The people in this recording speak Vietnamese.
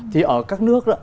thì ở các nước